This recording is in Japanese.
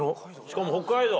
しかも北海道。